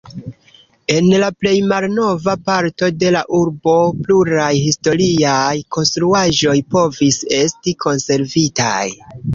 En la plej malnova parto de la urbo pluraj historiaj konstruaĵoj povis esti konservitaj.